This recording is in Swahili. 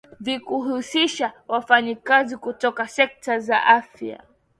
vikihusisha wafanyakazi kutoka sekta za afya